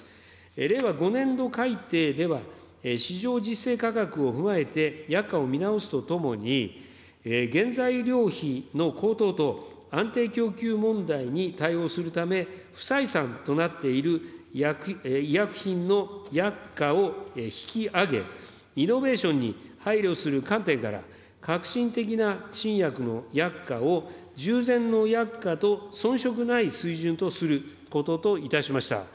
令和５年度改定では、市場実勢価格を踏まえて、薬価を見直すとともに、原材料費の高騰と、安定供給問題に対応するため、不採算となっている医薬品の薬価を引き上げ、イノベーションに配慮する観点から、革新的な新薬の薬価を従前の薬価と遜色ない水準とすることといたしました。